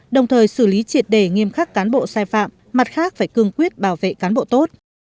đồng thời xử lý triệt đề nghiêm khắc cán bộ sai phạm mặt khác phải cương quyết bảo vệ cán bộ tốt